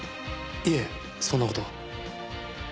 いえそんな事は。